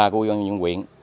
bốn mươi ba của uyên nhân quyện